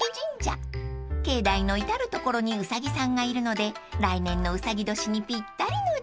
［境内の至る所にうさぎさんがいるので来年のうさぎ年にぴったりの神社です］